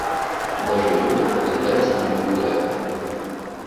Даже любят, когда я с ними гуляю.